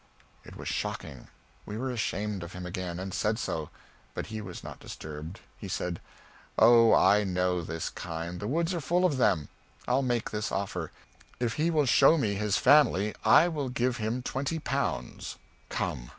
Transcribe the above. It was shocking. We were ashamed of him again, and said so. But he was not disturbed. He said "Oh, I know this kind, the woods are full of them. I'll make this offer: if he will show me his family I will give him twenty pounds. Come!"